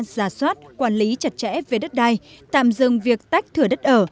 giả soát quản lý chặt chẽ về đất đai tạm dừng việc tách thửa đất ở